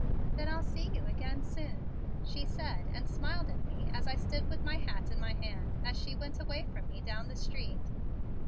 "Then I'll see you again soon," she said and smiled at me as I stood with my hat in my hand as she went away from me down the street.